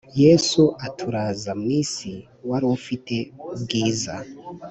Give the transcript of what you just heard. Yesu utaraza mu isi wari ufite ubwiza